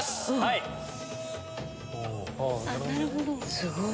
すごい。